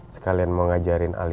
sekalian mau ngajarin alika naik sepeda